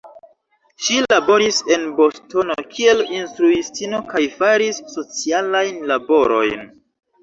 Ŝi laboris en Bostono kiel instruistino kaj faris socialajn laborojn.